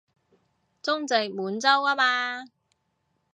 中殖滿洲吖嘛